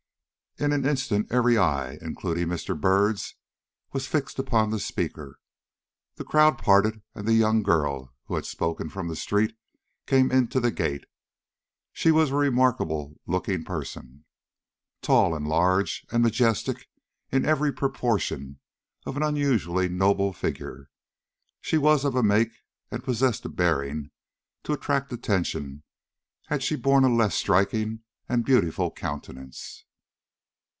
In an instant, every eye, including Mr. Byrd's, was fixed upon the speaker. The crowd parted, and the young girl, who had spoken from the street, came into the gate. She was a remarkable looking person. Tall, large, and majestic in every proportion of an unusually noble figure, she was of a make and possessed a bearing to attract attention had she borne a less striking and beautiful countenance.